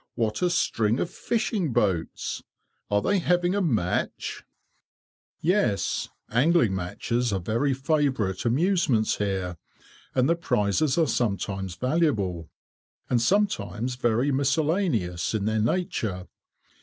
What a string of fishing boats! Are they having a match?" "Yes. Angling matches are very favourite amusements here, and the prizes are sometimes valuable, and sometimes very miscellaneous in their nature.